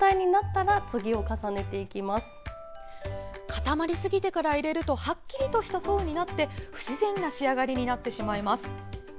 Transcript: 固まりすぎてから入れるとはっきりとした層になって不自然な仕上がりになってしまいます。